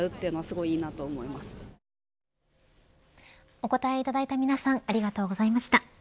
お答えいただいた皆さんありがとうございました。